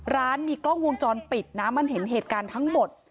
ร้านมีกล้องวงจรปิดนะมันเห็นเหตุการณ์ทั้งหมด